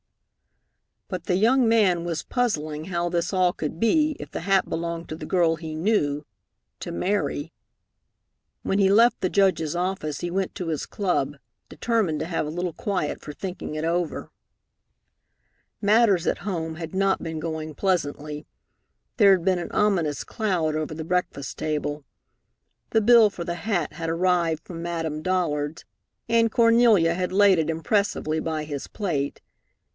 But the young man was puzzling how this all could be if the hat belonged to the girl he knew to "Mary." When he left the Judge's office, he went to his club, determined to have a little quiet for thinking it over. Matters at home had not been going pleasantly. There had been an ominous cloud over the breakfast table. The bill for the hat had arrived from Madame Dollard's, and Cornelia had laid it impressively by his plate.